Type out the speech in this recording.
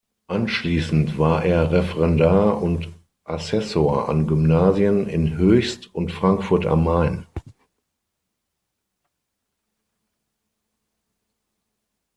Anschließend war er Referendar und Assessor an Gymnasien in Hoechst und Frankfurt am Main.